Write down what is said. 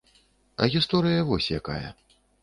А гісторыя вось якая.